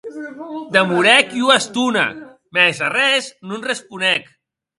Demorèc ua estona, mès arrés non responec.